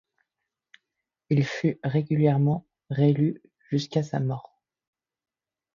Il fut régulièrement réélu jusqu'à sa mort.